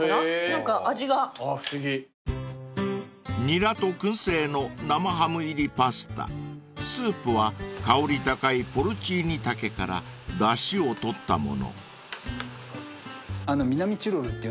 ［ニラと薫製の生ハム入りパスタスープは香り高いポルチーニ茸からだしを取ったもの］